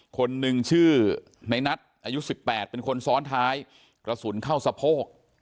คนหนึ่งชื่อในนัทอายุ๑๘เป็นคนซ้อนท้ายกระสุนเข้าสะโพก